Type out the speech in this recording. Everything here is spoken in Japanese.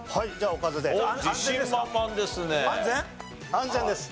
安全です。